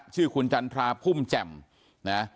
ชื่อคุณจันทราพุ่มแจ่มนะ